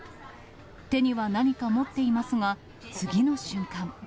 手には何か持っていますが、次の瞬間。